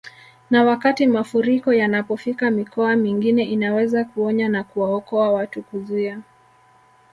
Na wakati mafuriko yanapofika mikoa mingine inaweza kuonya na kuwaokoa watu kuzuia